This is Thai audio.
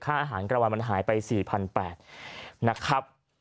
ค่าอาหารกระวันมันหายไป๔๘๐๐บาทนะครับ